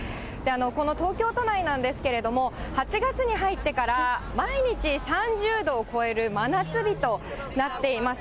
この東京都内なんですけれども、８月に入ってから毎日３０度を超える真夏日となっています。